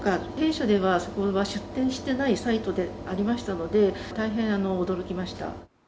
弊社では、それは出店していないサイトでありましたので、大変驚きました。